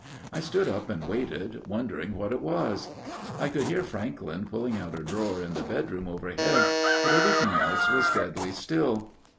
I stood up and waited, wondering what it was. I could hear Franklyn pulling out a drawer in the bedroom overhead, but everything else was deadly still.